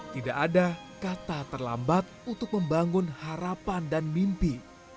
tidak ada kata terlambat untuk membangun harapan dan mimpi